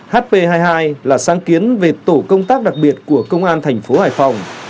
hp hai mươi hai là sáng kiến về tổ công tác đặc biệt của công an thành phố hải phòng